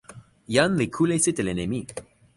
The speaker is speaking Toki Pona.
jan li kule sitelen e mi.